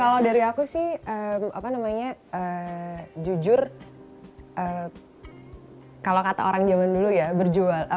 kalau dari aku sih jujur kalau kata orang zaman dulu ya berjual